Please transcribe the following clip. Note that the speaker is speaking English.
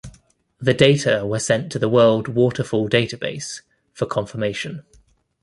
The data were sent to the World Waterfall Database for confirmation.